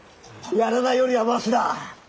やらないよりはマシだ！